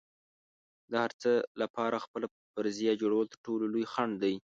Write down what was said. د هر څه لپاره خپله فرضیه جوړول تر ټولو لوی خنډ دی.